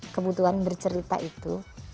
kebutuhan bercerita itu